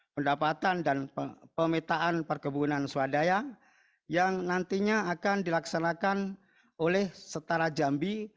pendapatan dan pemetaan perkebunan swadaya yang nantinya akan dilaksanakan oleh setara jambi